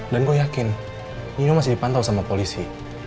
dan gue yakin ino masih dipantau sama polisi